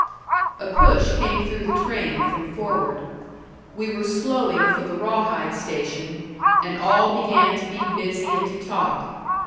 A push came through the train from forward. We were slowing for the Rawhide station, and all began to be busy and to talk.